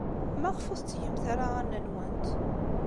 Maɣef ur tettgemt ara aɣanen-nwent?